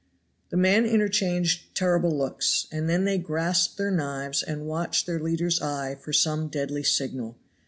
The men interchanged terrible looks, and then they grasped their knives and watched their leader's eye for some deadly signal.